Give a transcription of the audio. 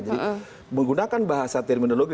jadi menggunakan bahasa terminologi